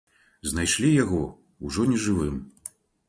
Знайшлі яго ўжо нежывым.